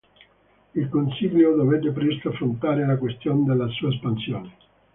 Il Consiglio dovette presto affrontare la question della sua espansione.